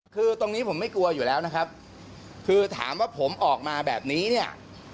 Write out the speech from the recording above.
คือตรงนี้ผมไม่กลัวอยู่แล้วนะครับคือถามว่าผมออกมาแบบนี้เนี่ย